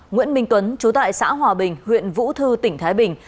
nguyễn minh tuấn chú tại xã hòa bình huyện vũ thư tỉnh thái bình